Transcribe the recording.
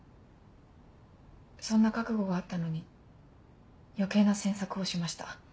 そんな覚悟があったのに余計な詮索をしました。